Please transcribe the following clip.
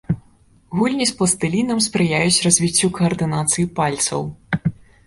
Гульні з пластылінам спрыяюць развіццю каардынацыі пальцаў.